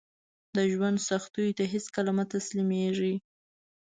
د ژوند سختیو ته هیڅکله مه تسلیمیږئ